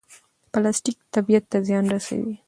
پلاستیک طبیعت ته زیان رسوي.